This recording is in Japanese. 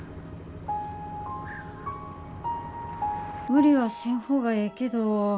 無理はせん方がええけど。